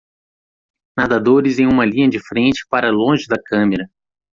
Nadadores em uma linha de frente para longe da câmera